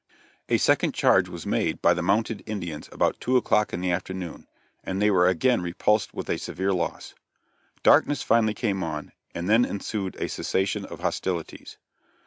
A second charge was made by the mounted Indians about two o'clock in the afternoon, and they were again repulsed with a severe loss. Darkness finally came on, and then ensued a cessation of hostilities.